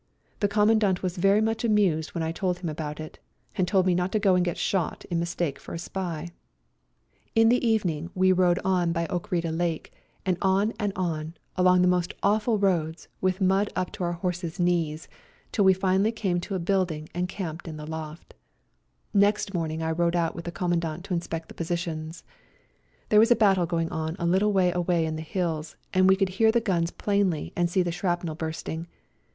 The Commandant was very much amused when I told him about it, and told me not to go and get shot in mistake for a spy. In the evening we rode on by Ockrida A COLD HALTING PLACE Page 103 THE BLOCK HOUSE WHERE WE ALL SLEPT Page 1 1 o GOOD BYE TO SERBIA 111 Lake, on and on along the most awful roads, with mud up to our horses' knees, till we finally came to a building and camped in the loft. Next morning I rode out with the Commandant to inspect the positions. There was a battle going on a little way away in the hills, and we could hear the guns plainly and see the shrapnel bursting.